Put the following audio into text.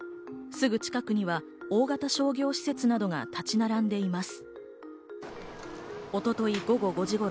すぐ近くには大型商業施設などが立ち並んでいます。